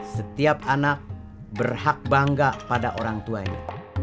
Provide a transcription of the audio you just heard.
setiap anak berhak bangga pada orang tuanya